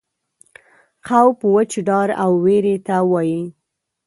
خوف وچ ډار او وېرې ته وایي.